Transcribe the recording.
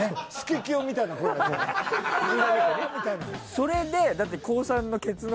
それでだって。